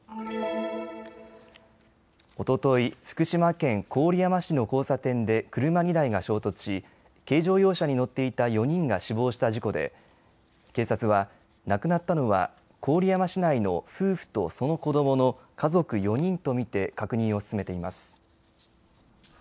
おととい、福島県郡山市の交差点で車２台が衝突し軽乗用車に乗っていた４人が死亡した事故で警察は亡くなったのは郡山市内の夫婦とその子どもの家族４人と見て確認を進めています。